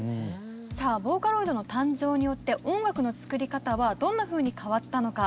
さあボーカロイドの誕生によって音楽の作り方はどんなふうに変わったのか。